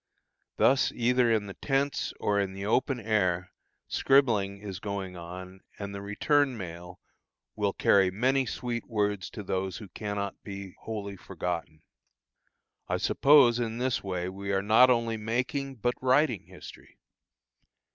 Thus either in the tents or in the open air, scribbling is going on, and the return mail will carry many sweet words to those who cannot be wholly forgotten. I suppose in this way we are not only making, but writing history.